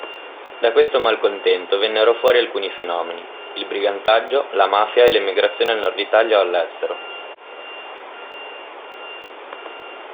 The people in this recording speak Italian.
Da questo malcontento vennero fuori alcuni fenomeni: il brigantaggio, la mafia e l'emigrazione al nord Italia o all'estero.